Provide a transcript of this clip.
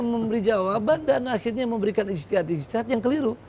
dan beri jawaban dan akhirnya memberikan istihad istihad yang keliru